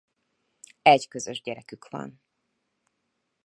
Egy közös gyerekük van.